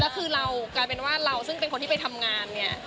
แล้วคือเรากลายเป็นว่าเราซึ่งเป็นคนที่ไปทำงานเนี่ย